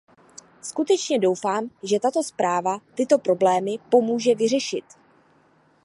Skutečně doufám, že tato zpráva tyto problémy pomůže vyřešit.